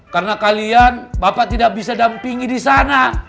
karena kalian bapak tidak bisa dampingi disana